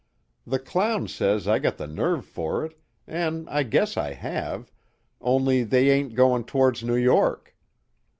The clown says I got the nerve for it, an' I guess I have, only they ain't goin' towards New York."